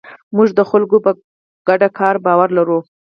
موږ د خلکو په ګډ کار باور لرو.